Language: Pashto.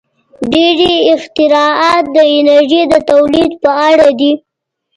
• ډېری اختراعات د انرژۍ د تولید په اړه دي.